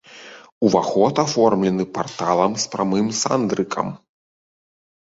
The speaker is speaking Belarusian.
Уваход аформлены парталам з прамым сандрыкам.